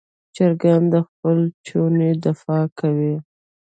چرګان د خپل چوڼې دفاع کوي.